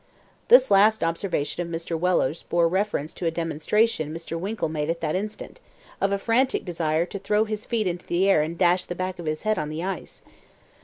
This last observation of Mr. Weller's bore reference to a demonstration Mr. Winkle made at the instant, of a frantic desire to throw his feet into the air and dash the back of his head on the ice.